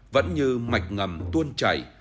vẫn như mạch ngầm tuôn chảy